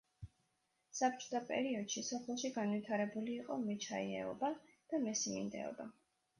საბჭოთა პერიოდში სოფელში განვითარებული იყო მეჩაიეობა და მესიმინდეობა.